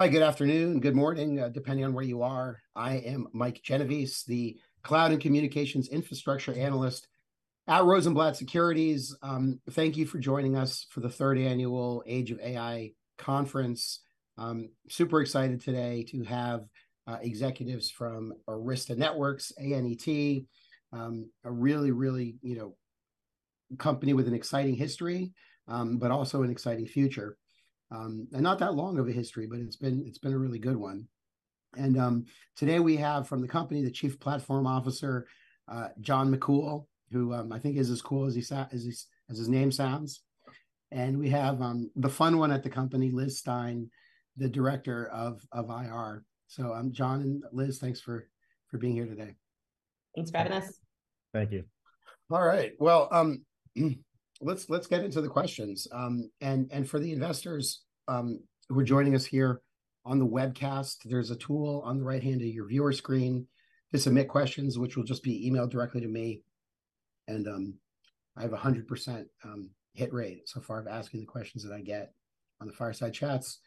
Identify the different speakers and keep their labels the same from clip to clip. Speaker 1: Hi, good afternoon, good morning, depending on where you are. I am Mike Genovese, the Cloud and Communications Infrastructure Analyst at Rosenblatt Securities. Thank you for joining us for the third annual Age of AI conference. Super excited today to have executives from Arista Networks, ANET, a really, you know, company with an exciting history, but also an exciting future. Not that long of a history, but it's been, it's been a really good one. Today we have from the company, the Chief Platform Officer, John McCool, who I think is as cool as his name sounds. We have the fun one at the company, Liz Stine, the Director of IR. John and Liz, thanks for being here today.
Speaker 2: Thanks for having us.
Speaker 3: Thank you.
Speaker 1: All right. Well, let's get into the questions. For the investors who are joining us here on the webcast, there's a tool on the right-hand of your viewer screen to submit questions, which will just be emailed directly to me. I have 100% hit rate so far of asking the questions that I get on the fireside chats,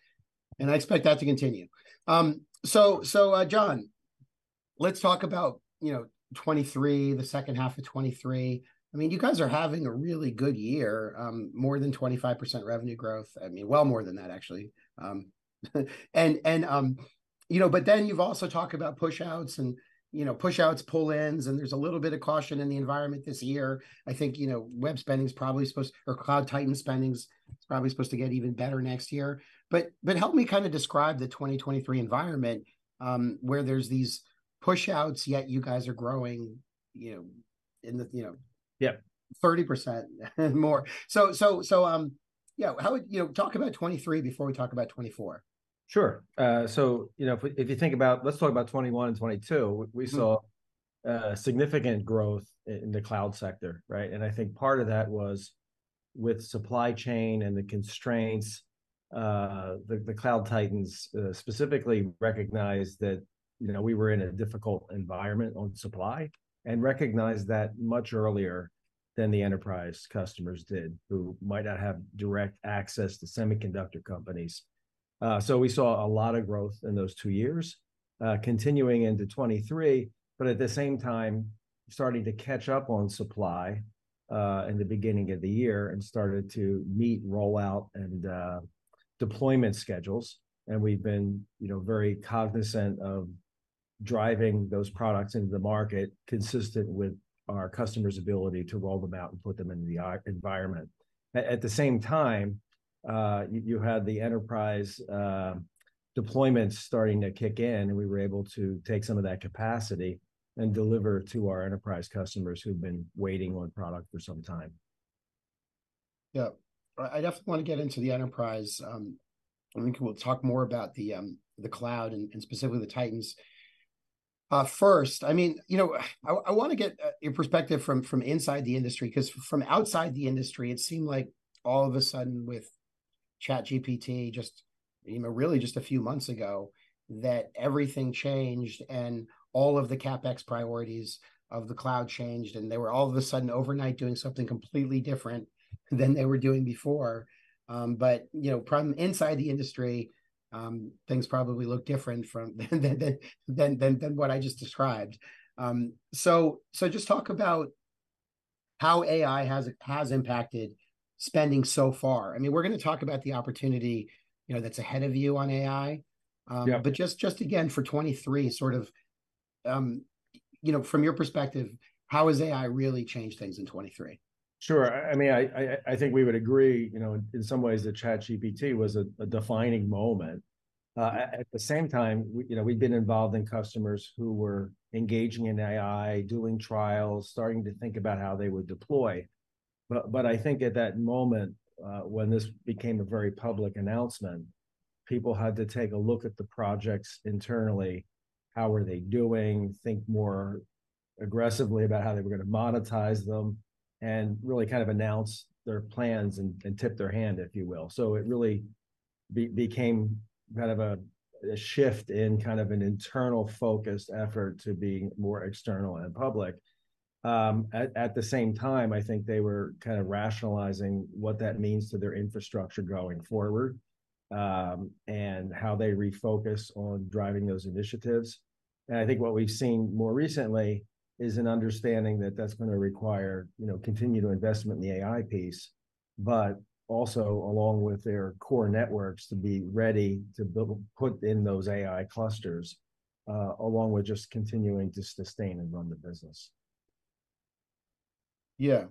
Speaker 1: and I expect that to continue. So, so, John, let's talk about, you know, 2023, the second half of 2023. I mean, you guys are having a really good year, more than 25% revenue growth. I mean, well more than that actually, you know, but then you've also talked about push outs and, you know, push outs, pull ins, and there's a little bit of caution in the environment this year. I think, you know, web spending's probably supposed or Cloud Titans spending's probably supposed to get even better next year. But help me kind of describe the 2023 environment, where there's these push outs, yet you guys are growing, you know, in the, you know-
Speaker 3: Yeah
Speaker 1: 30% and more. Yeah, you know, talk about 2023 before we talk about 2024.
Speaker 3: Sure. You know, if, if you think about, let's talk about 2021 and 2022.
Speaker 1: Mm-hmm.
Speaker 3: We saw significant growth in the Cloud Titans sector, right? I think part of that was with supply chain and the constraints, the, the Cloud Titans, specifically recognized that, you know, we were in a difficult environment on supply, and recognized that much earlier than the enterprise customers did, who might not have direct access to semiconductor companies. We saw a lot of growth in those two years, continuing into 2023, but at the same time, starting to catch up on supply, in the beginning of the year, and started to meet rollout and deployment schedules. We've been, you know, very cognizant of driving those products into the market, consistent with our customers' ability to roll them out and put them into the environment. At the same time, you had the enterprise deployments starting to kick in, and we were able to take some of that capacity and deliver to our enterprise customers who've been waiting on product for some time.
Speaker 1: Yeah. I definitely wanna get into the enterprise. I think we'll talk more about the, the cloud and, and specifically the Cloud Titans. First, I mean, you know, I wanna get your perspective from, from inside the industry, 'cause from outside the industry, it seemed like all of a sudden with ChatGPT, just, you know, really just a few months ago, that everything changed, and all of the CapEx priorities of the cloud changed, and they were all of a sudden overnight doing something completely different than they were doing before. You know, from inside the industry, things probably look different from than, than, than, than, than what I just described. Just talk about how AI has, has impacted spending so far. I mean, we're gonna talk about the opportunity, you know, that's ahead of you on AI.
Speaker 3: Yeah.
Speaker 1: Just again, for 2023, sort of, you know, from your perspective, how has AI really changed things in 2023?
Speaker 3: Sure. I mean, I think we would agree, you know, in some ways, that ChatGPT was a, a defining moment. At the same time, we, you know, we'd been involved in customers who were engaging in AI, doing trials, starting to think about how they would deploy. I think at that moment, when this became a very public announcement, people had to take a look at the projects internally, how were they doing, think more aggressively about how they were gonna monetize them, and really kind of announce their plans, and tip their hand, if you will. It really became kind of a shift in kind of an internal-focused effort to being more external and public. At, at the same time, I think they were kind of rationalizing what that means to their infrastructure going forward, and how they refocus on driving those initiatives. I think what we've seen more recently is an understanding that that's gonna require, you know, continual investment in the AI piece, but also, along with their core networks, to be ready to put in those AI clusters, along with just continuing to sustain and run the business.
Speaker 1: Yeah.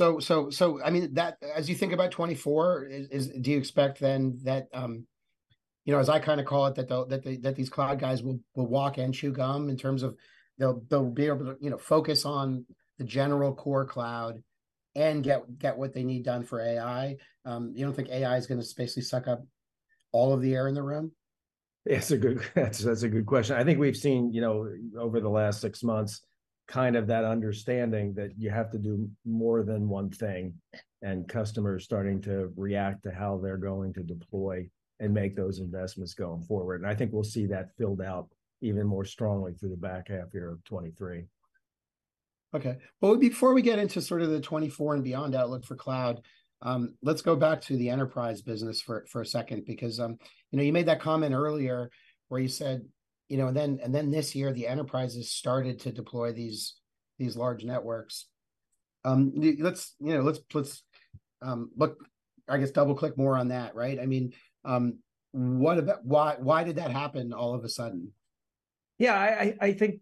Speaker 1: I mean, as you think about 2024, do you expect then that, you know, as I kind of call it, that these cloud guys will, will walk and chew gum, in terms of they'll be able to, you know, focus on the general core cloud and get, get what they need done for AI? You don't think AI is gonna basically suck up all of the air in the room?
Speaker 3: That's a good question. I think we've seen, you know, over the last six months, kind of that understanding that you have to do more than one thing, and customers starting to react to how they're going to deploy and make those investments going forward. I think we'll see that filled out even more strongly through the back half year of 2023.
Speaker 1: Okay, before we get into sort of the 2024 and beyond outlook for cloud, let's go back to the enterprise business for, for a second, because, you know, you made that comment earlier, where you said, you know, "And then, and then this year, the enterprises started to deploy these, these large networks." Let's, you know, look- I guess double-click more on that, right? I mean, what about, why did that happen all of a sudden?
Speaker 3: Yeah, I think,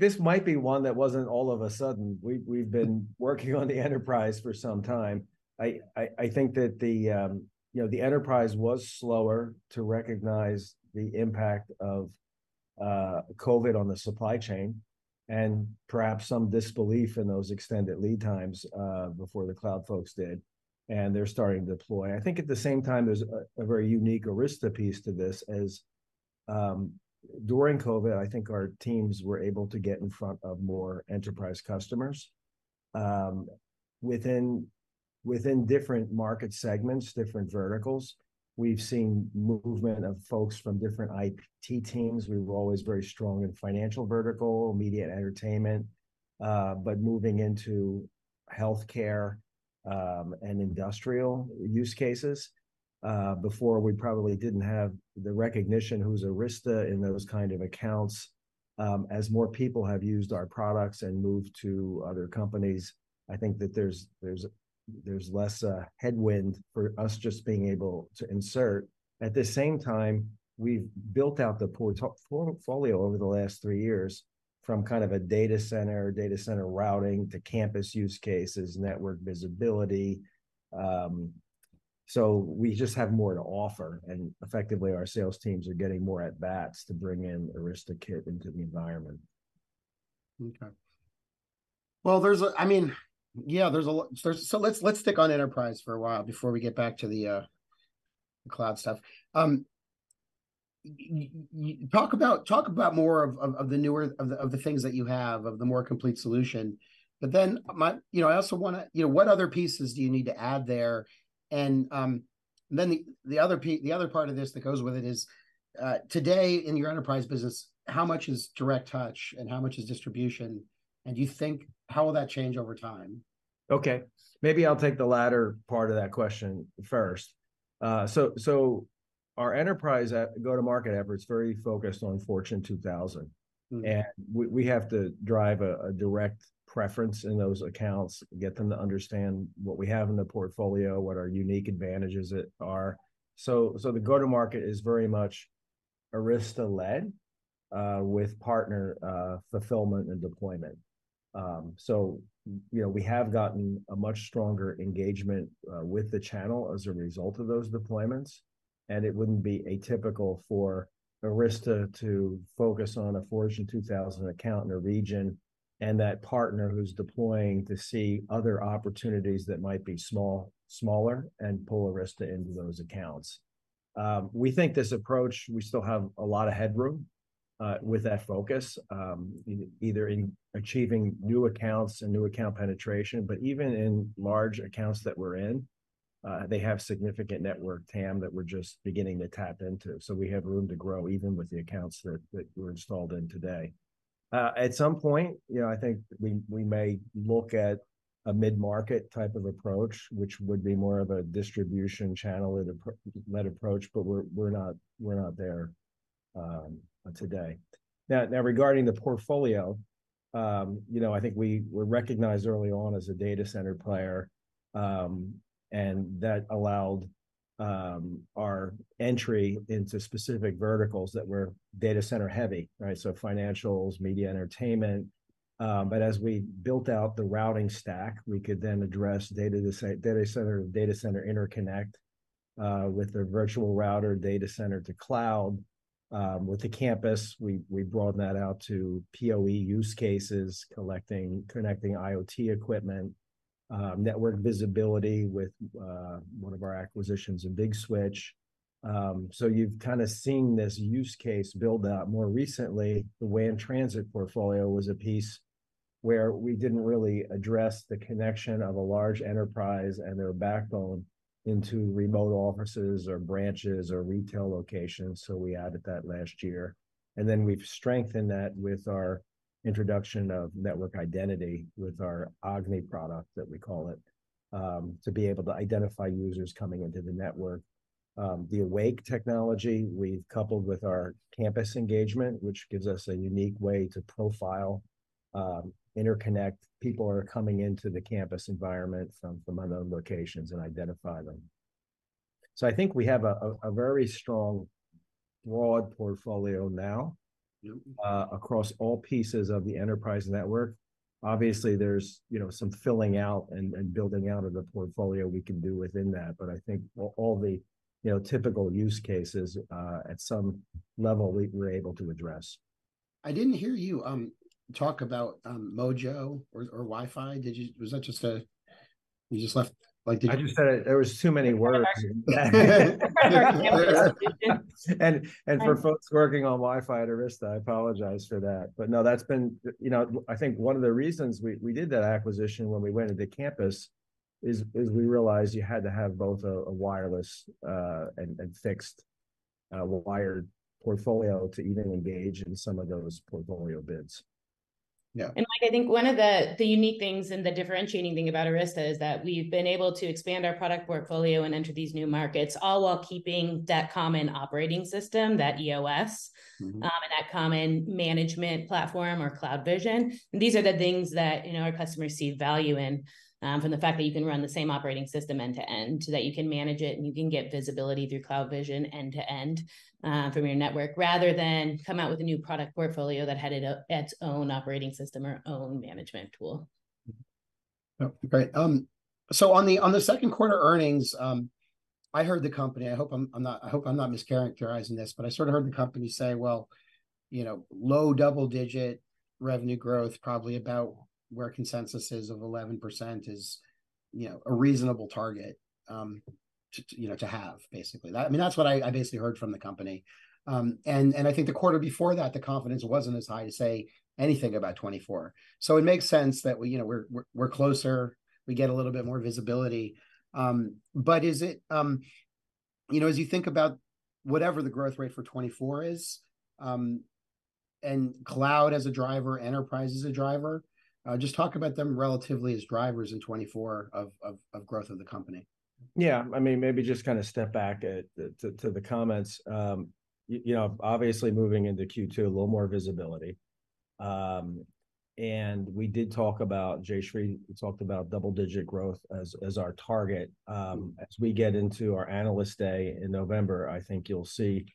Speaker 3: this might be one that wasn't all of a sudden. We've been working on the enterprise for some time. I think that the, you know, the enterprise was slower to recognize the impact of COVID on the supply chain, and perhaps some disbelief in those extended lead times before the cloud folks did. They're starting to deploy. I think, at the same time, there's a very unique Arista piece to this, as during COVID, I think our teams were able to get in front of more enterprise customers. Within different market segments, different verticals, we've seen movement of folks from different IT teams. We were always very strong in financial vertical, media and entertainment. Moving into healthcare, and industrial use cases, before we probably didn't have the recognition, who's Arista, in those kind of accounts. As more people have used our products and moved to other companies, I think that there's less headwind for us just being able to insert. At the same time, we've built out the portfolio over the last three years, from kind of a data center, data center routing to campus use cases, network visibility. We just have more to offer, and effectively, our sales teams are getting more at-bats to bring in Arista kit into the environment.
Speaker 1: Okay. Well, I mean, yeah, there's, so let's stick on enterprise for a while before we get back to the cloud stuff. Talk about, talk about more of the things that you have, of the more complete solution. You know, I also wanna. You know, what other pieces do you need to add there? Then the, the other part of this that goes with it is, today, in your enterprise business, how much is direct touch, and how much is distribution? Do you think- how will that change over time?
Speaker 3: Okay, maybe I'll take the latter part of that question first. Our enterprise go-to-market effort is very focused on Fortune 2000.
Speaker 1: Mm.
Speaker 3: We, we have to drive a, a direct preference in those accounts, get them to understand what we have in the portfolio, what our unique advantages are. The go-to-market is very much Arista-led, with partner, fulfillment and deployment. You know, we have gotten a much stronger engagement with the channel as a result of those deployments, and it wouldn't be atypical for Arista to focus on a Fortune 2000 account in a region, and that partner who's deploying to see other opportunities that might be smaller and pull Arista into those accounts. We think this approach, we still have a lot of headroom, with that focus, either in achieving new accounts and new account penetration, but even in large accounts that we're in, they have significant network TAM that we're just beginning to tap into, so we have room to grow, even with the accounts that, that we're installed in today. At some point, you know, I think we, we may look at a mid-market type of approach, which would be more of a distribution channel and a led approach, but we're, we're not, we're not there today. Now, now, regarding the portfolio, you know, I think we were recognized early on as a data center player, that allowed our entry into specific verticals that were data center heavy, right? Financials, media, entertainment, as we built out the routing stack, we could then address data to site- data center, data center interconnect, with the virtual router, data center to cloud. With the campus, we, we broadened that out to PoE use cases, collecting, connecting IoT equipment, network visibility with one of our acquisitions, Big Switch. You've kind of seen this use case build out. More recently, the WAN transit portfolio was a piece where we didn't really address the connection of a large enterprise and their backbone into remote offices or branches or retail locations, we added that last year. We've strengthened that with our introduction of network identity, with our AGNI product, that we call it, to be able to identify users coming into the network. The Awake technology we've coupled with our campus engagement, which gives us a unique way to profile, interconnect people who are coming into the campus environment from, from unknown locations and identify them. I think we have a very strong, broad portfolio now.
Speaker 1: Yep
Speaker 3: Across all pieces of the enterprise network. Obviously, there's, you know, some filling out and building out of the portfolio we can do within that, but I think all, you know, typical use cases, at some level, we, we're able to address.
Speaker 1: I didn't hear you talk about Mojo or Wi-Fi. Did you, was that just you just left, did you-
Speaker 3: I just said there was too many words. For folks working on Wi-Fi at Arista, I apologise for that. No, that's been, you know. I think one of the reasons we, we did that acquisition when we went into campus is, is we realised you had to have both a wireless, and fixed-
Speaker 1: Wired portfolio to even engage in some of those portfolio bids. Yeah.
Speaker 3: Like, I think one of the, the unique things and the differentiating thing about Arista is that we've been able to expand our product portfolio and enter these new markets, all while keeping that common operating system, that EOS.
Speaker 1: Mm-hmm
Speaker 3: And that common management platform or CloudVision. These are the things that, you know, our customers see value in, from the fact that you can run the same operating system end-to-end, that you can manage it, and you can get visibility through CloudVision end-to-end, from your network, rather than come out with a new product portfolio that had its own operating system or own management tool.
Speaker 1: Mm-hmm. Oh, great. On the, on the second quarter earnings, I heard the company. I hope I'm not mischaracterizing this, but I sort of heard the company say, "Well, you know, low double-digit revenue growth, probably about where consensus is of 11%, is, you know, a reasonable target, to, you know, to have," basically. I mean, that's what I, basically heard from the company. I think the quarter before that, the confidence wasn't as high to say anything about 2024. It makes sense that you know, we're, we're closer, we get a little bit more visibility. You know, as you think about whatever the growth rate for 2024 is, and cloud as a driver, enterprise as a driver, just talk about them relatively as drivers in 2024 of growth of the company.
Speaker 3: Yeah, I mean, maybe just kind of step back at, to the comments. You know, obviously, moving into Q2, a little more visibility. We did talk about, Jayshree talked about double-digit growth as, as our target. As we get into our Analyst Day in November, I think you'll see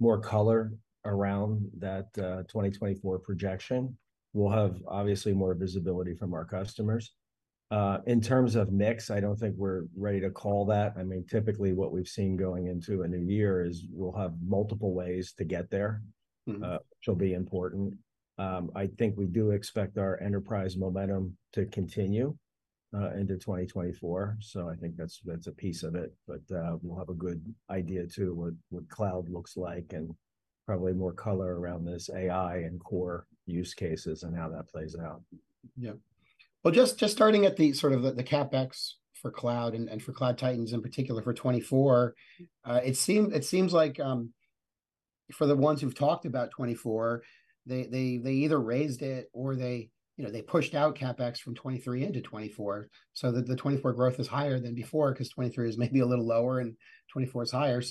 Speaker 3: more color around that 2024 projection. We'll have, obviously, more visibility from our customers. In terms of mix, I don't think we're ready to call that. I mean, typically, what we've seen going into a new year is we'll have multiple ways to get there-
Speaker 1: Mm-hmm
Speaker 3: Which will be important. I think we do expect our enterprise momentum to continue into 2024, I think that's, that's a piece of it. We'll have a good idea, too, what, what cloud looks like, and probably more color around this AI and core use cases, and how that plays out.
Speaker 1: Yeah. Well, just, just starting at the sort of the, the CapEx for cloud, and, and for Cloud Titans in particular, for 2024, it seems like for the ones who've talked about 2024, they, they, they either raised it or they, you know, they pushed out CapEx from 2023 into 2024, so that the 2024 growth is higher than before, 'cause 2023 is maybe a little lower and 2024 is higher.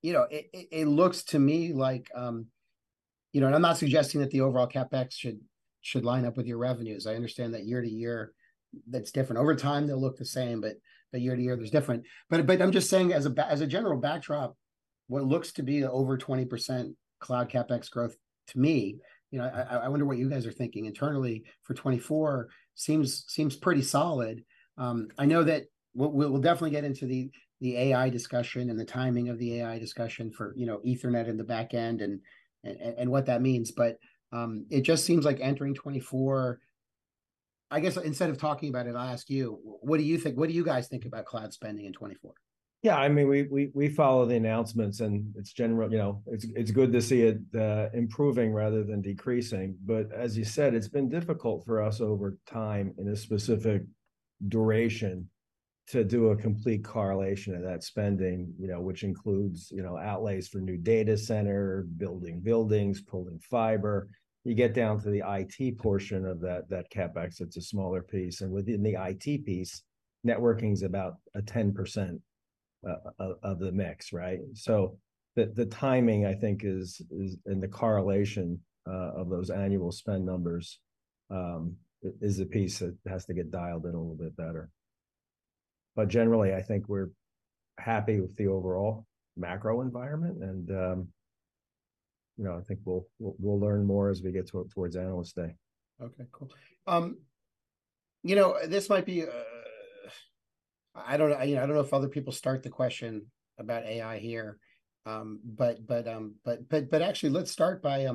Speaker 1: You know, it looks to me like. You know, I'm not suggesting that the overall CapEx should, should line up with your revenues. I understand that year-to-year, that's different. Over time, they'll look the same, but the year-to-year, there's different. I'm just saying as a general backdrop, what looks to be an over 20% cloud CapEx growth, to me, you know, I wonder what you guys are thinking internally for 2024, seems, seems pretty solid. I know that we'll, we'll definitely get into the, the AI discussion and the timing of the AI discussion for, you know, Ethernet in the back end and what that means. It just seems like entering 2024, I guess, instead of talking about it, I'll ask you, what do you think, what do you guys think about cloud spending in 2024?
Speaker 3: Yeah, I mean, we, we, we follow the announcements, and it's generally, you know, it's, it's good to see it, improving rather than decreasing. As you said, it's been difficult for us over time, in a specific duration, to do a complete correlation of that spending, you know, which includes, you know, outlays for new data center, building buildings, pulling fiber. You get down to the IT portion of that, that CapEx, it's a smaller piece, and within the IT piece, networking's about a 10%, of, of the mix, right? The, the timing, I think is, and the correlation, of those annual spend numbers, is, is a piece that has to get dialed in a little bit better. Generally, I think we're happy with the overall macro environment, and, you know, I think we'll learn more as we get towards Analyst Day.
Speaker 1: Okay, cool. You know, this might be. I don't, you know, I don't know if other people start the question about AI here, but actually, let's start by.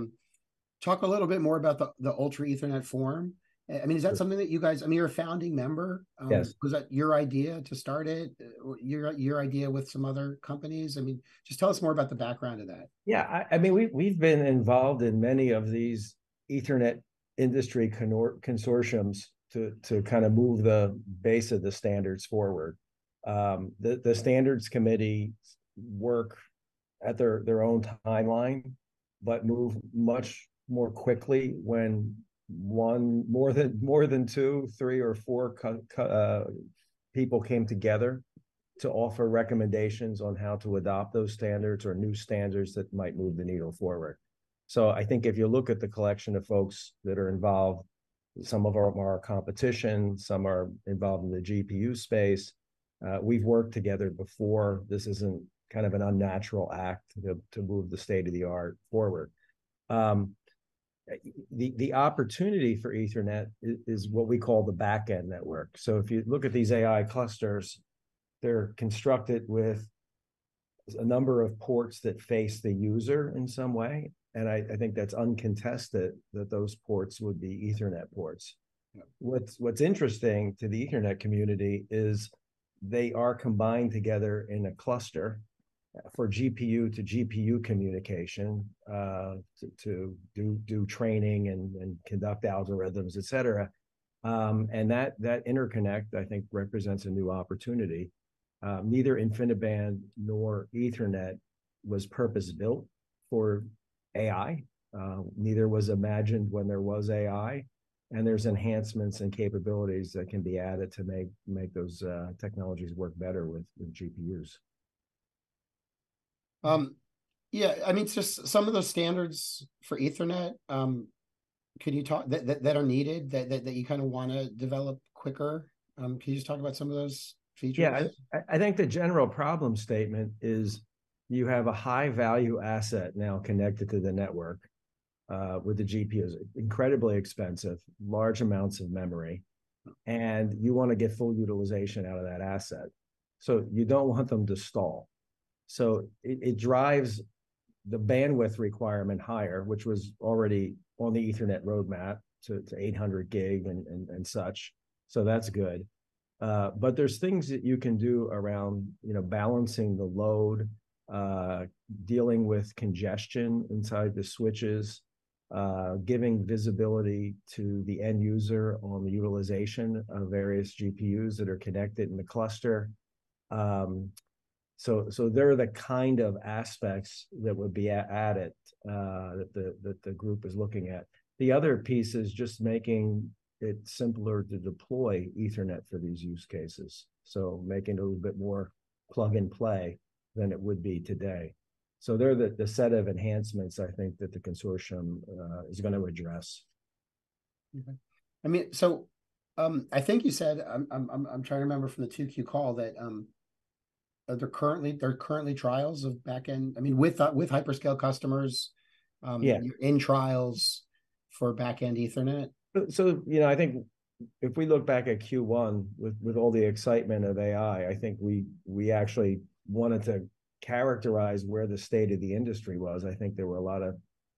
Speaker 1: Talk a little bit more about the Ultra Ethernet Consortium. I mean, is that something that you guys? I mean, you're a founding member.
Speaker 3: Yes.
Speaker 1: Was that your idea to start it, or your, your idea with some other companies? I mean, just tell us more about the background of that.
Speaker 3: Yeah. I mean, we, we've been involved in many of these Ethernet industry consortiums to, to kind of move the base of the standards forward. The, the standards committee work at their, their own timeline, but move much more quickly when more than, more than two, three, or four people came together to offer recommendations on how to adopt those standards or new standards that might move the needle forward. I think if you look at the collection of folks that are involved, some of them are our competition, some are involved in the GPU space. We've worked together before. This isn't kind of an unnatural act to, to move the state-of-the-art forward. The, the opportunity for Ethernet is what we call the back-end network. If you look at these AI clusters, they're constructed with a number of ports that face the user in some way, and I, I think that's uncontested that those ports would be Ethernet ports.
Speaker 1: Yeah.
Speaker 3: What's, what's interesting to the Ethernet community is they are combined together in a cluster for GPU-to-GPU communication to do, do training and conduct algorithms, et cetera. That, that interconnect, I think, represents a new opportunity. Neither InfiniBand nor Ethernet was purpose-built for AI. Neither was imagined when there was AI, and there's enhancements and capabilities that can be added to make, make those technologies work better with GPUs.
Speaker 1: Yeah, I mean, just some of the standards for Ethernet, could you talk- that, that, that are needed, that, that, that you kinda wanna develop quicker? Can you just talk about some of those features?
Speaker 3: Yeah. I, I think the general problem statement is you have a high-value asset now connected to the network, with the GPUs. Incredibly expensive, large amounts of memory, and you wanna get full utilization out of that asset, so you don't want them to stall. It, it drives the bandwidth requirement higher, which was already on the Ethernet roadmap to, to 800G and such, so that's good. There's things that you can do around, you know, balancing the load, dealing with congestion inside the switches, giving visibility to the end user on the utilization of various GPUs that are connected in the cluster. So they're the kind of aspects that would be added, that the, that the group is looking at. The other piece is just making it simpler to deploy Ethernet for these use cases, so making it a little bit more plug-and-play than it would be today. They're the, the set of enhancements, I think, that the consortium, is gonna address.
Speaker 1: Okay. I mean, I think you said, I'm trying to remember from the 2Q call, that there are currently, there are currently trials of back-end. I mean, with hyperscale customers.
Speaker 3: Yeah.
Speaker 1: You're in trials for back-end Ethernet?
Speaker 3: So, you know, I think if we look back at Q1 with all the excitement of AI, I think we, we actually wanted to characterize where the state of the industry was. I think there were a lot of,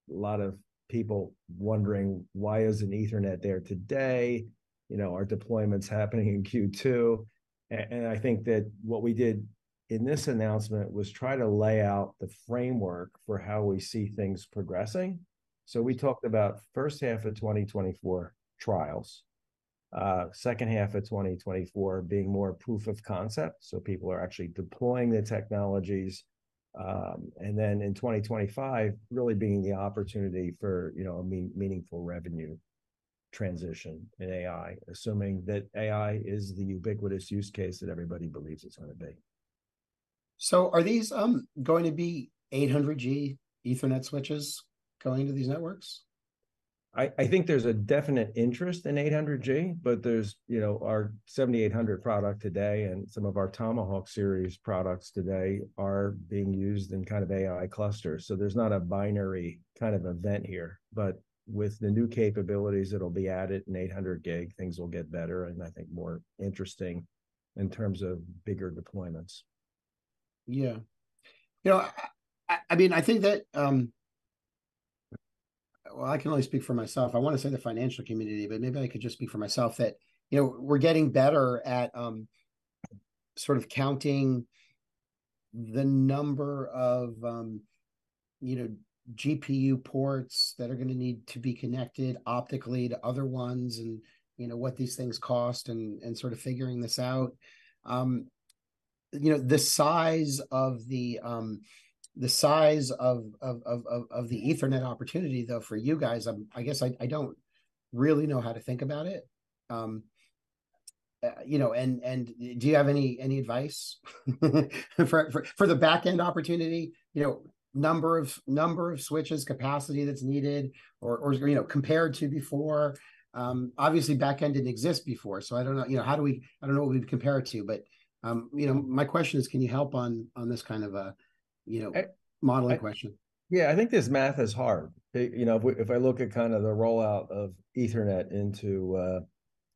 Speaker 3: lot of people wondering, "Why isn't Ethernet there today?" You know, "Are deployments happening in Q2?" And I think that what we did in this announcement was try to lay out the framework for how we see things progressing. We talked about first half of 2024, trials. Second half of 2024 being more proof of concept, so people are actually deploying the technologies. And then in 2025, really being the opportunity for, you know, a meaningful revenue transition in AI, assuming that AI is the ubiquitous use case that everybody believes it's gonna be.
Speaker 1: Are these, going to be 800G Ethernet switches going to these networks?
Speaker 3: I, I think there's a definite interest in 800G, but there's, you know, our 7800 product today and some of our Tomahawk series products today are being used in kind of AI clusters. There's not a binary kind of event here, but with the new capabilities that'll be added in 800 gig, things will get better, and I think more interesting in terms of bigger deployments.
Speaker 1: Yeah. You know, I mean, I think that, Well, I can only speak for myself. I wanna say the financial community, but maybe I could just speak for myself, that, you know, we're getting better at, sort of counting the number of, you know, GPU ports that are gonna need to be connected optically to other ones, and, you know, what these things cost, and sort of figuring this out. You know, the size of the, the size of the Ethernet opportunity, though, for you guys, I guess I don't really know how to think about it. You know, and do you have any, any advice for the back-end opportunity? You know, number of, number of switches, capacity that's needed, or, or, you know, compared to before? obviously back-end didn't exist before, so I don't know, you know, I don't know what we'd compare it to, but, you know, my question is, can you help on, on this kind of, you know.
Speaker 3: I-
Speaker 1: Modeling question?
Speaker 3: Yeah, I think this math is hard. You know, if I look at kinda the rollout of Ethernet into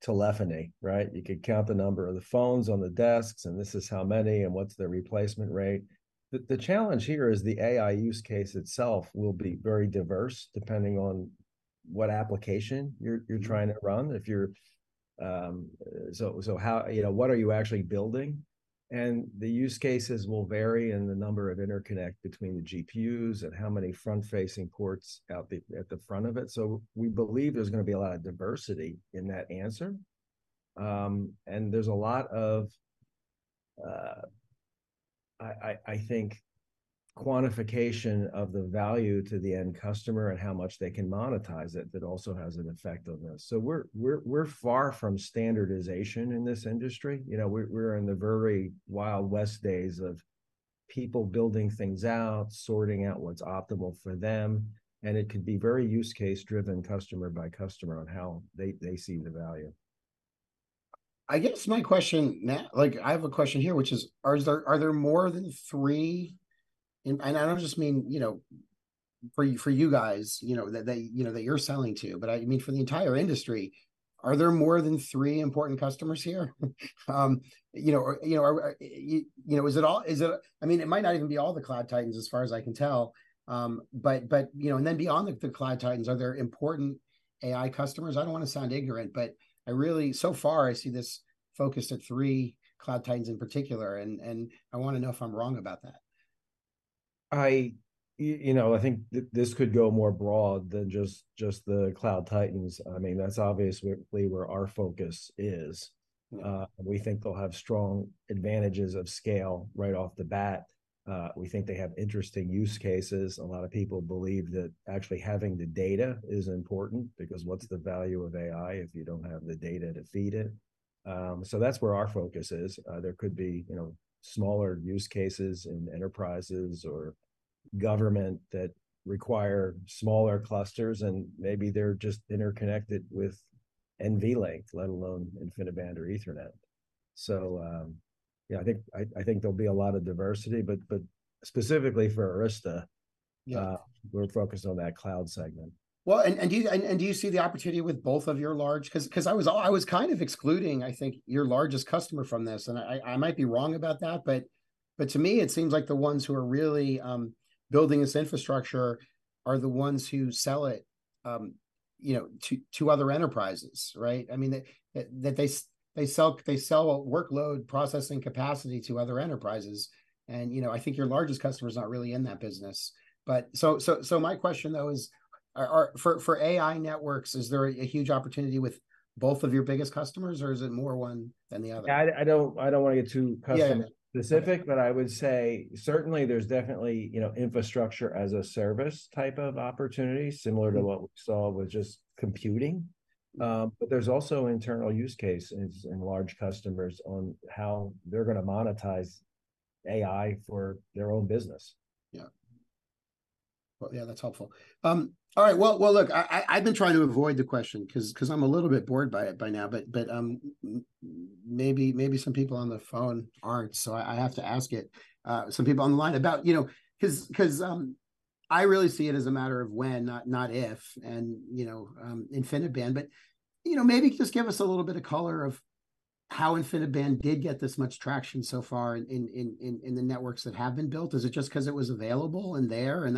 Speaker 3: telephony, right? You could count the number of the phones on the desks, and this is how many, and what's the replacement rate. The the challenge here is the AI use case itself will be very diverse, depending on what application you're, you're trying to run. If you're. How, you know, what are you actually building? The use cases will vary in the number of interconnect between the GPUs and how many front-facing ports out the at the front of it, so we believe there's gonna be a lot of diversity in that answer. There's a lot of I think quantification of the value to the end customer and how much they can monetize it that also has an effect on this. We're, we're, we're far from standardization in this industry. You know, we're, we're in the very Wild West days of people building things out, sorting out what's optimal for them, and it could be very use case driven, customer by customer, on how they, they see the value.
Speaker 1: I guess my question now, like, I have a question here, which is, are there, are there more than three, and I don't just mean, you know for you guys, you know, that, that, you know, that you're selling to, but, I mean, for the entire industry, are there more than three important customers here? You know, or, you, you know, is it all, I mean, it might not even be all the Cloud Titans, as far as I can tell. You know, and then beyond the, the Cloud Titans, are there important AI customers? I don't wanna sound ignorant, but I really- so far, I see this focused at three Cloud Titans in particular, and I wanna know if I'm wrong about that.
Speaker 3: I, you know, I think this could go more broad than just, just the Cloud Titans. I mean, that's obviously where our focus is.
Speaker 1: Mm.
Speaker 3: We think they'll have strong advantages of scale right off the bat. We think they have interesting use cases. A lot of people believe that actually having the data is important, because what's the value of AI if you don't have the data to feed it? That's where our focus is. There could be, you know, smaller use cases in enterprises or government that require smaller clusters, and maybe they're just interconnected with NVLink, let alone InfiniBand or Ethernet. Yeah, I think there'll be a lot of diversity, but specifically for Arista.
Speaker 1: Yeah
Speaker 3: We're focused on that cloud segment.
Speaker 1: Well, do you see the opportunity with both of your large. 'Cause I was kind of excluding, I think, your largest customer from this, and I, I might be wrong about that, but, but to me, it seems like the ones who are really building this infrastructure are the ones who sell it, you know, to other enterprises, right? I mean, they that they sell, they sell a workload processing capacity to other enterprises, and, you know, I think your largest customer's not really in that business. So my question, though, is, are for AI networks, is there a huge opportunity with both of your biggest customers, or is it more one than the other?
Speaker 3: I don't wanna get too customer-
Speaker 1: Yeah
Speaker 3: Specific, I would say certainly there's definitely, you know, infrastructure-as-a-service type of opportunity.
Speaker 1: Mm
Speaker 3: Similar to what we saw with just computing. There's also internal use cases in large customers on how they're gonna monetize AI for their own business.
Speaker 1: Yeah. Well, yeah, that's helpful. All right, well, look, I've been trying to avoid the question, 'cause I'm a little bit bored by it by now, but, maybe, some people on the phone aren't, so I, I have to ask it, some people on the line, about, you know. 'Cause, 'cause, I really see it as a matter of when, not, not if, and, you know, InfiniBand, but, you know, maybe just give us a little bit of color of how InfiniBand did get this much traction so far in the networks that have been built. Is it just 'cause it was available and there, and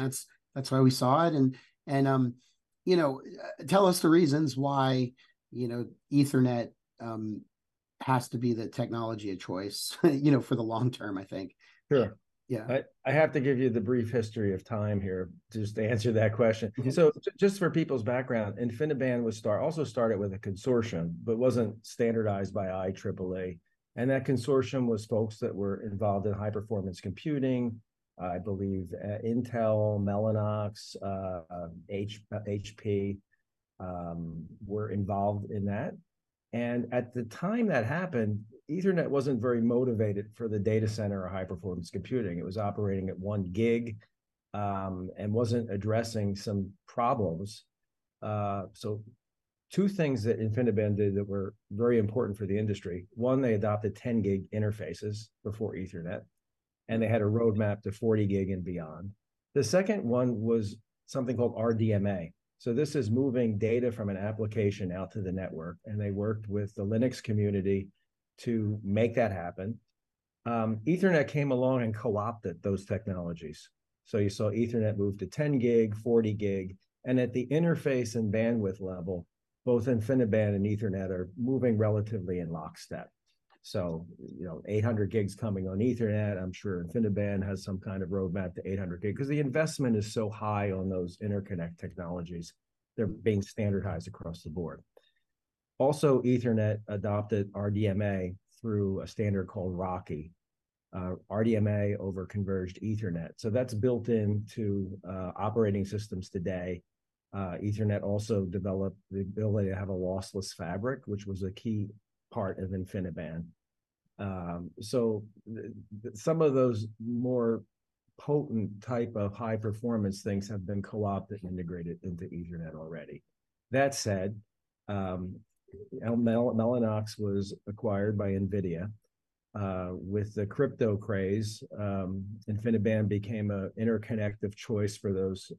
Speaker 1: that's, that's why we saw it? You know, tell us the reasons why, you know, Ethernet, has to be the technology of choice, you know, for the long term, I think.
Speaker 3: Sure.
Speaker 1: Yeah.
Speaker 3: I, I have to give you the brief history of time here just to answer that question.
Speaker 1: Mm-hmm.
Speaker 3: Just for people's background, InfiniBand was also started with a consortium, but wasn't standardized by IEEE. That consortium was folks that were involved in high-performance computing, I believe, Intel, Mellanox, HP, were involved in that. At the time that happened, Ethernet wasn't very motivated for the data center or high-performance computing. It was operating at 1G, and wasn't addressing some problems. Two things that InfiniBand did that were very important for the industry. One, they adopted 10G interfaces before Ethernet, and they had a roadmap to 40G and beyond. The second one was something called RDMA. This is moving data from an application out to the network, and they worked with the Linux community to make that happen. Ethernet came along and co-opted those technologies. You saw Ethernet move to 10G, 40G, and at the interface and bandwidth level, both InfiniBand and Ethernet are moving relatively in lockstep. You know, 800G coming on Ethernet, I'm sure InfiniBand has some kind of roadmap to 800G. 'Cause the investment is so high on those interconnect technologies, they're being standardized across the board. Also, Ethernet adopted RDMA through a standard called RoCE, RDMA over Converged Ethernet. That's built into operating systems today. Ethernet also developed the ability to have a lossless fabric, which was a key part of InfiniBand. The, some of those more potent type of high-performance things have been co-opted and integrated into Ethernet already. That said, Mellanox was acquired by NVIDIA, with the crypto craze, InfiniBand became a interconnective choice for those,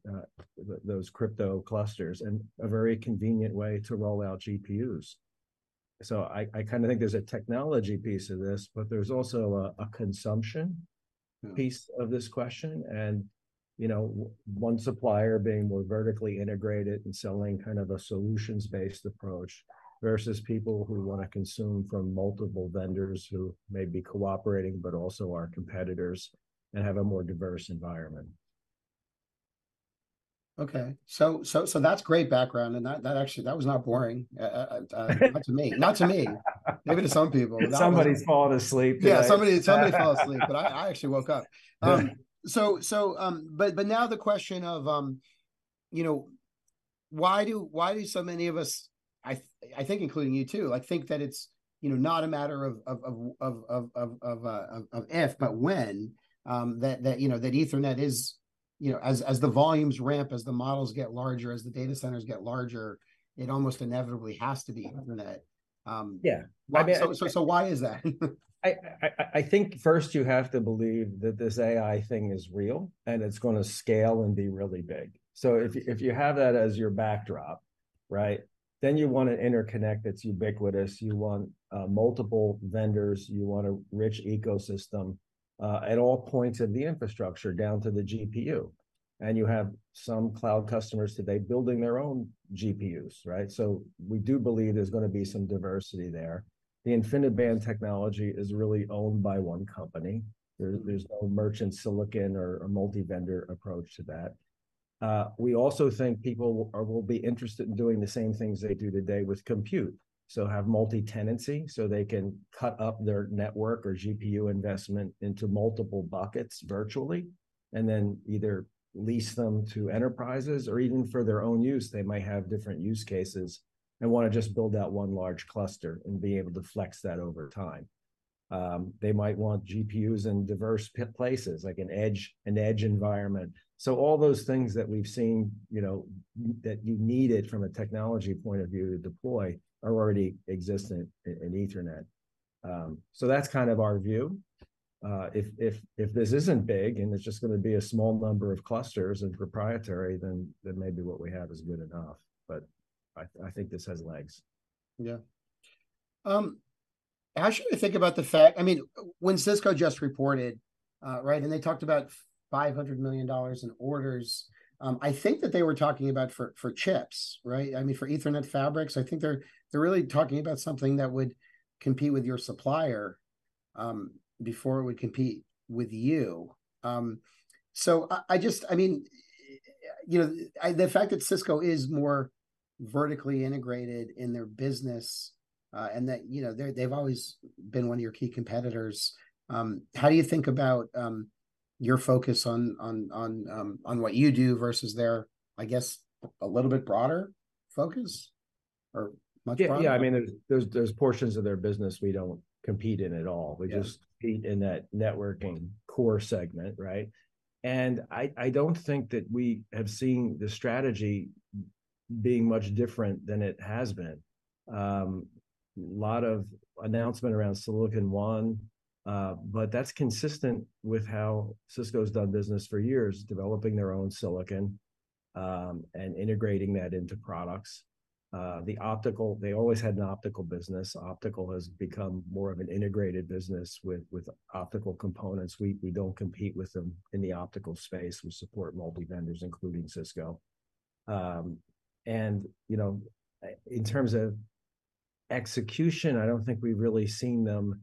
Speaker 3: those crypto clusters, and a very convenient way to roll out GPUs. I, I kind of think there's a technology piece of this, but there's also a, a consumption-
Speaker 1: Mm
Speaker 3: Piece of this question, and, you know, one supplier being more vertically integrated and selling kind of a solutions-based approach, versus people who wanna consume from multiple vendors, who may be cooperating, but also are competitors, and have a more diverse environment.
Speaker 1: Okay, so that's great background, and that, that actually, that was not boring, not to me. Not to me. Maybe to some people, but.
Speaker 3: Did somebody fall asleep today?
Speaker 1: Yeah, somebody, somebody fell asleep, but I actually woke up.
Speaker 3: Good.
Speaker 1: So, but, now the question of, you know, why do, so many of us, I think including you, too, like, think that it's, you know, not a matter of, if but when, that, that, you know, that Ethernet is, you know, as, as the volumes ramp, as the models get larger, as the data centers get larger, it almost inevitably has to be Ethernet.
Speaker 3: Yeah. I mean-
Speaker 1: So, so why is that?
Speaker 3: I think first you have to believe that this AI thing is real, and it's gonna scale and be really big.
Speaker 1: Mm.
Speaker 3: If, if you have that as your backdrop, right? You want an interconnect that's ubiquitous, you want multiple vendors, you want a rich ecosystem at all points of the infrastructure, down to the GPU. You have some cloud customers today building their own GPUs, right? We do believe there's gonna be some diversity there. The InfiniBand technology is really owned by one company. There's no merchant silicon or multi-vendor approach to that. We also think people will be interested in doing the same things they do today with compute. Have multi-tenancy, so they can cut up their network or GPU investment into multiple buckets virtually, and then either lease them to enterprises, or even for their own use, they might have different use cases, and wanna just build that one large cluster and be able to flex that over time. They might want GPUs in diverse places, like an edge, an edge environment. All those things that we've seen, you know, that you needed from a technology point of view to deploy, are already existent in Ethernet. That's kind of our view. If, this isn't big, and it's just gonna be a small number of clusters and proprietary, then, then maybe what we have is good enough, but I, I think this has legs.
Speaker 1: Yeah. How should we think about the fact- I mean, when Cisco just reported, right, and they talked about $500 million in orders, I think that they were talking about for chips, right? I mean, for Ethernet fabrics, I think they're really talking about something that would compete with your supplier, before it would compete with you. I just, I mean, you know, the fact that Cisco is more vertically integrated in their business, and that, you know, they've always been one of your key competitors, how do you think about your focus on what you do versus their, I guess, a little bit broader focus or much broader?
Speaker 3: Yeah, yeah. I mean, there's portions of their business we don't compete in at all.
Speaker 1: Yeah.
Speaker 3: We just compete in that networking core segment, right? I, I don't think that we have seen the strategy being much different than it has been. Lot of announcement around Silicon One, but that's consistent with how Cisco's done business for years, developing their own silicon, and integrating that into products. The optical, they always had an optical business. Optical has become more of an integrated business with optical components. We, we don't compete with them in the optical space. We support multi-vendors, including Cisco. You know, in terms of execution, I don't think we've really seen them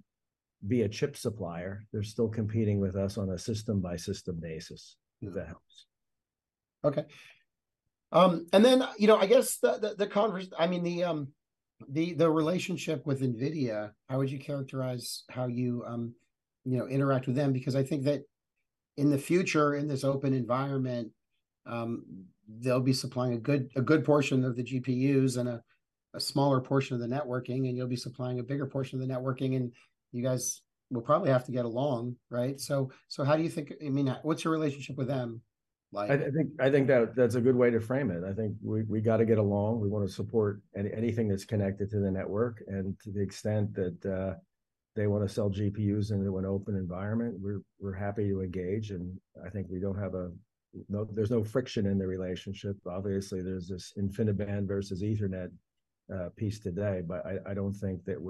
Speaker 3: be a chip supplier. They're still competing with us on a system-by-system basis, if that helps.
Speaker 1: Okay. Then, you know, I guess the, the, I mean, the, the, the relationship with NVIDIA, how would you characterize how you, you know, interact with them? Because I think that in the future, in this open environment, they'll be supplying a good, a good portion of the GPUs and a, a smaller portion of the networking, and you'll be supplying a bigger portion of the networking, and you guys will probably have to get along, right? So how do you think. I mean, what's your relationship with them like?
Speaker 3: I think that, that's a good way to frame it. I think we gott to get along. We wanna support anything that's connected to the network. To the extent that they wanna sell GPUs into an open environment, we're happy to engage, and I think we don't have a. No, there's no friction in the relationship. Obviously, there's this InfiniBand versus Ethernet piece today, I don't think that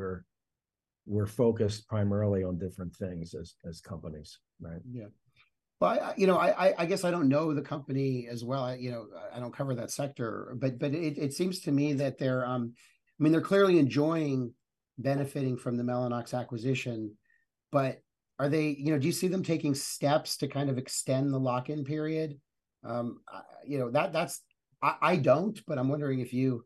Speaker 3: we're focused primarily on different things as companies, right?
Speaker 1: Yeah. Well, I, you know, I guess I don't know the company as well. I, you know, I don't cover that sector, but, it seems to me that they're, I mean, they're clearly enjoying benefiting from the Mellanox acquisition, but are they. You know, do you see them taking steps to kind of extend the lock-in period? You know, that, that's I don't, but I'm wondering if you,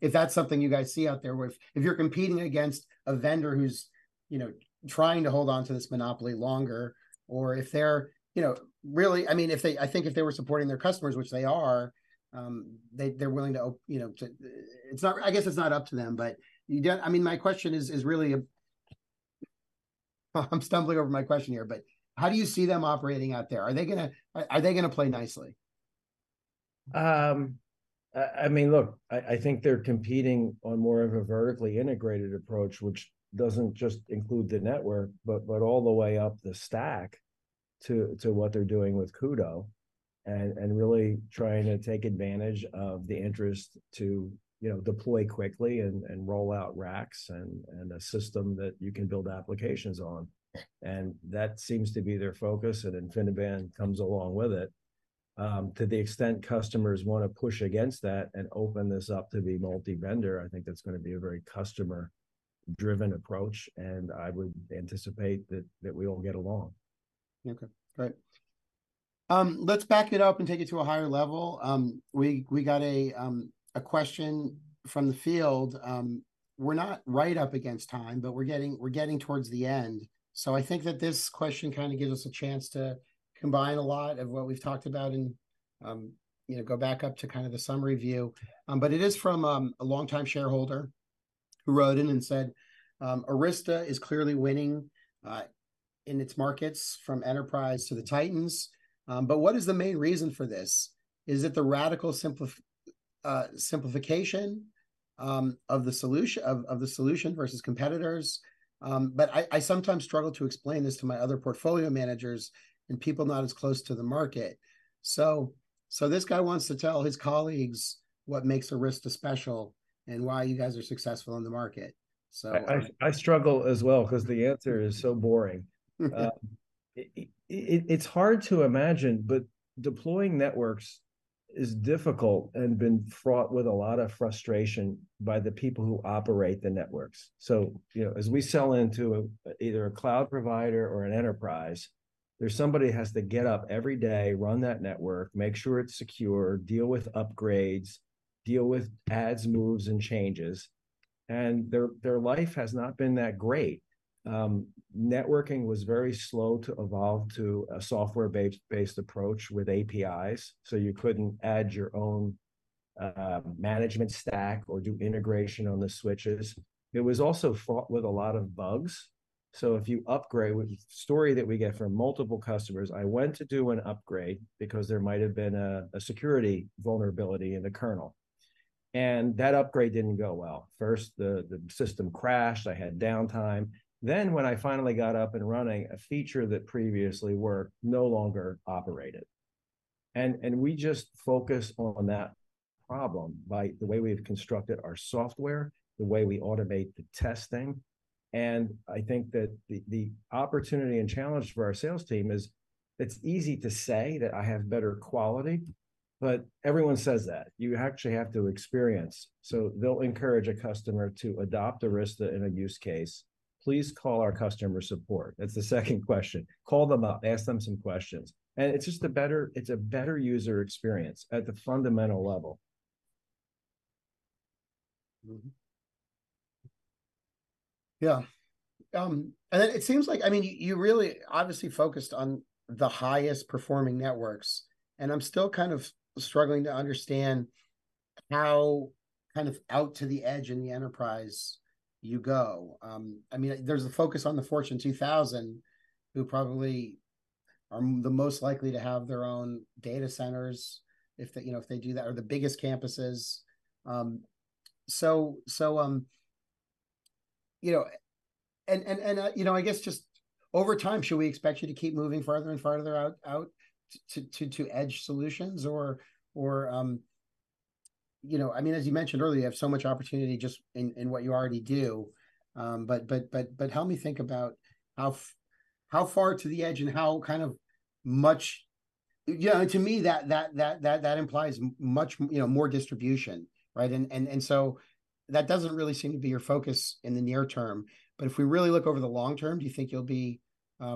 Speaker 1: if that's something you guys see out there, if, if you're competing against a vendor who's, you know, trying to hold onto this monopoly longer, or if they're, you know, really- I mean, if they- I think if they were supporting their customers, which they're willing to open, you know, to. It's not, I guess it's not up to them. I mean, my question is, is really, well, I'm stumbling over my question here, but how do you see them operating out there? Are they gonna, are they gonna play nicely?
Speaker 3: I mean, look, I think they're competing on more of a vertically integrated approach, which doesn't just include the network, but, but all the way up the stac to what they're doing with CUDA, and really trying to take advantage of the interest to, you know, deploy quickly and roll out racks and a system that you can build applications on. That seems to be their focus, and InfiniBand comes along with it. To the extent customers wanna push against that and open this up to be multi-vendor, I think that's gonna be a very customer-driven approach, and I would anticipate that, that we all get along.
Speaker 1: Okay, great. Let's back it up and take it to a higher level. We, we got a question from the field. We're not right up against time, but we're getting, we're getting towards the end. I think that this question kind of gives us a chance to combine a lot of what we've talked about and, you know, go back up to kind of the summary view. It is from a longtime shareholder who wrote in and said, "Arista is clearly winning in its markets from enterprise to the Cloud Titans, what is the main reason for this? Is it the radical simplification of the solution, of the solution versus competitors? I, I sometimes struggle to explain this to my other portfolio managers and people not as close to the market. This guy wants to tell his colleagues what makes Arista special, and why you guys are successful in the market.
Speaker 3: I struggle as well, 'cause the answer is so boring. It's hard to imagine, but deploying networks is difficult, and been fraught with a lot of frustration by the people who operate the networks. You know, as we sell into either a cloud provider or an enterprise, there's somebody has to get up every day, run that network, make sure it's secure, deal with upgrades, deal with adds, moves, and changes, and their, their life has not been that great. Networking was very slow to evolve to a software-based, based approach with APIs, so you couldn't add your own management stack or do integration on the switches. It was also fraught with a lot of bugs. If you upgrade, story that we get from multiple customers, "I went to do an upgrade because there might have been a, a security vulnerability in the kernel, and that upgrade didn't go well. First, the, the system crashed, I had downtime. When I finally got up and running, a feature that previously worked no longer operated." We just focus on that problem by the way we've constructed our software, the way we automate the testing. I think that the, the opportunity and challenge for our sales team is, it's easy to say that I have better quality, but everyone says that. You actually have to experience. They'll encourage a customer to adopt Arista in a use case. "Please call our customer support," that's the second question. Call them up, ask them some questions." It's just a better, it's a better user experience at the fundamental level.
Speaker 1: Yeah, it seems like. I mean, you really obviously focused on the highest-performing networks, and I'm still kind of struggling to understand how kind of out to the edge in the enterprise you go. I mean, there's a focus on the Forbes Global 2000, who probably are the most likely to have their own data centers if they, you know, if they do that, or the biggest campuses. You know, I guess just over time, should we expect you to keep moving farther and farther out, out to, edge solutions? You know, I mean, as you mentioned earlier, you have so much opportunity just in, in what you already do. Help me think about how far to the edge and how kind of much. You know, and to me that implies much, you know, more distribution, right? That doesn't really seem to be your focus in the near term, but if we really look over the long term, do you think you'll be?
Speaker 3: We,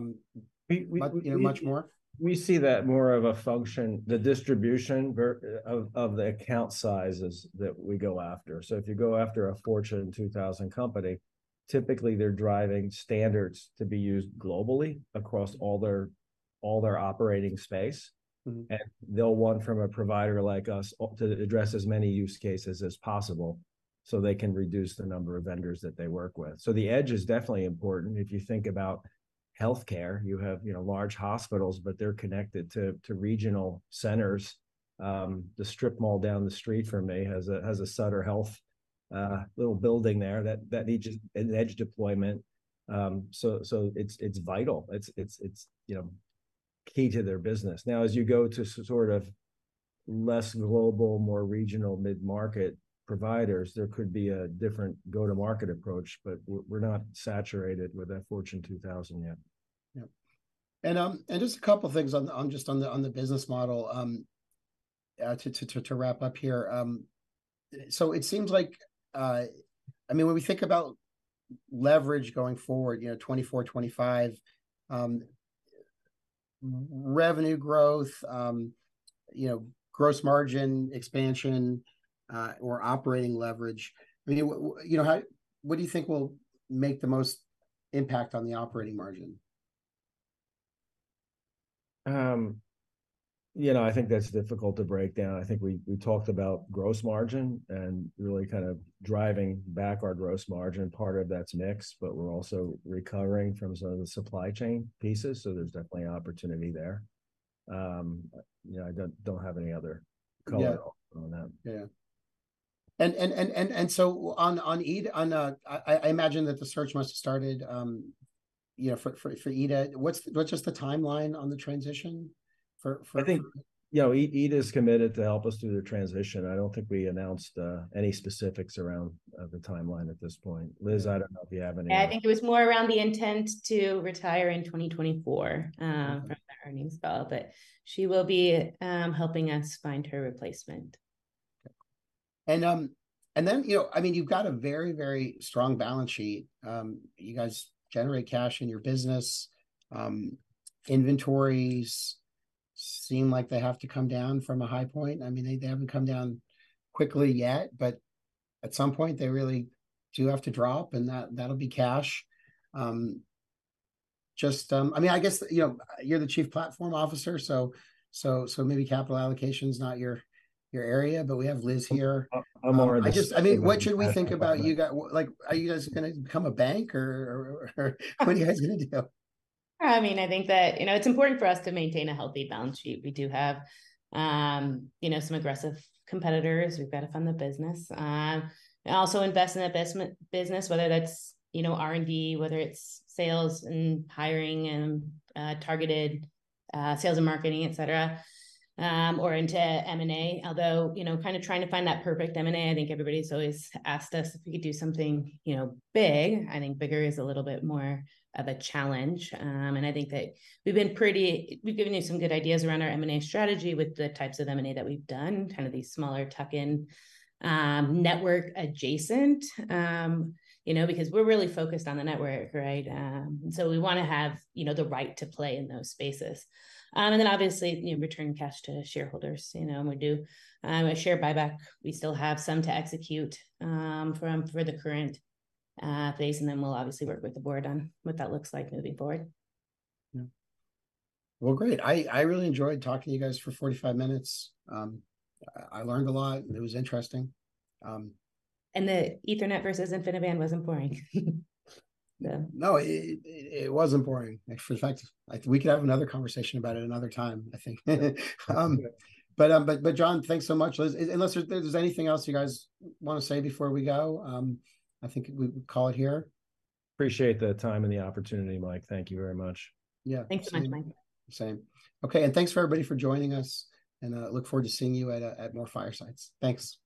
Speaker 3: we, we,
Speaker 1: You know, much more?
Speaker 3: We see that more of a function, the distribution of the account sizes that we go after. If you go after a Fortune 2000 company, typically they're driving standards to be used globally across all their operating space.
Speaker 1: Mm-hmm.
Speaker 3: They'll want from a provider like us, to address as many use cases as possible, so they can reduce the number of vendors that they work with. The edge is definitely important. If you think about healthcare, you have, you know, large hospitals, but they're connected to regional centers. The strip mall down the street from me has a, has a Sutter Health, little building there, that, that needs an edge deployment. So it's, it's vital. It's, it's, you know, key to their business. Now, as you go to sort of less global, more regional mid-market providers, there could be a different go-to-market approach, but we're, we're not saturated with that Fortune 2000 yet.
Speaker 1: Yep. Just a couple things on the business model to wrap up here. It seems like, I mean, when we think about leverage going forward, you know, 2024, 2025, revenue growth, you know, gross margin expansion, or operating leverage, I mean, you know, what do you think will make the most impact on the operating margin?
Speaker 3: You know, I think that's difficult to break down. I think we, we talked about gross margin, and really kind of driving back our gross margin. Part of that's mix, but we're also recovering from some of the supply chain pieces, so there's definitely opportunity there. You know, I don't, don't have any other color-
Speaker 1: Yeah
Speaker 3: on that.
Speaker 1: Yeah. So on Ita, I imagine that the search must have started, you know, for Ita. What's just the timeline on the transition for-
Speaker 3: I think, you know, Ita's committed to help us through the transition. I don't think we announced any specifics around the timeline at this point. Liz, I don't know if you have any-
Speaker 2: Yeah, I think it was more around the intent to retire in 2024, from the earnings call. She will be helping us find her replacement.
Speaker 1: You know, I mean, you've got a very, very strong balance sheet. You guys generate cash in your business. Inventories seem like they have to come down from a high point. I mean, they, they haven't come down quickly yet, but at some point, they really do have to drop, and that, that'll be cash. Just, I mean, I guess, you know, you're the Chief Platform Officer, so, so, so maybe capital allocation's not your, your area, but we have Liz here.
Speaker 3: I, I'm more on the-
Speaker 1: I just- I mean, what should we think about Like, are you guys gonna become a bank, or what are you guys gonna do?
Speaker 2: I mean, I think that, you know, it's important for us to maintain a healthy balance sheet. We do have, you know, some aggressive competitors. We've got to fund the business. Also invest in the business, whether that's, you know, R&D, whether it's sales and hiring, and targeted sales and marketing, et cetera, or into M&A. Although, you know, kind of trying to find that perfect M&A. I think everybody's always asked us if we could do something, you know, big. I think bigger is a little bit more of a challenge. I think that we've given you some good ideas around our M&A strategy with the types of M&A that we've done, kind of these smaller tuck-in, network adjacent. You know, because we're really focused on the network, right? We wanna have, you know, the right to play in those spaces. Obviously, you know, return cash to shareholders, you know, and we do. A share buyback, we still have some to execute, from, for the current, phase, and then we'll obviously work with the board on what that looks like moving forward.
Speaker 1: Yeah. Well, great. I really enjoyed talking to you guys for 45 minutes. I, I learned a lot, and it was interesting.
Speaker 2: The Ethernet versus InfiniBand wasn't boring?
Speaker 1: No, it wasn't boring. In fact, I think we could have another conversation about it another time, I think.
Speaker 3: Yeah.
Speaker 1: John, thanks so much. Liz, unless there's anything else you guys wanna say before we go, I think we will call it here.
Speaker 3: Appreciate the time and the opportunity, Mike. Thank you very much.
Speaker 1: Yeah.
Speaker 2: Thanks, Mike.
Speaker 1: Same. Okay, thanks for everybody for joining us, and I look forward to seeing you at, at more firesides. Thanks. Bye.